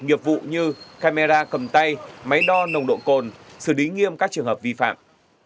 nghiệp vụ như camera cầm tay máy đo nồng độ cồn xử lý nghiêm các trường hợp vi phạm